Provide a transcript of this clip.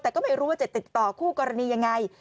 แต่ก็ไม่รู้ว่าจะติดต่อคู่กรณียังไง